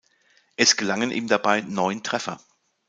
Es gelangen ihm dabei neun Treffer.